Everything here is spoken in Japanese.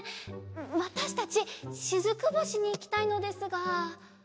わたしたちしずく星にいきたいのですが。